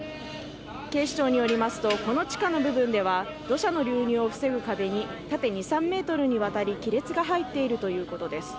警視庁によりますと、この地下の部分では土砂の流入を防ぐ壁に縦２３ｍにわたり亀裂が入っているということです。